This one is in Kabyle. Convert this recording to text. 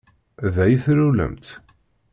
Da i tlulemt?